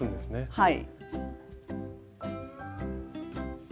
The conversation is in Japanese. はい。